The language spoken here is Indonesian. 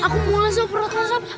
aku mulai sok perutnya sob